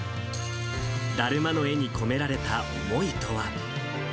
だるまの絵に込められた思いとは。